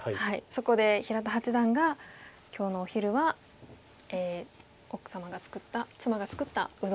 そこで平田八段が「今日のお昼は奥様が作った妻が作ったうどん」と。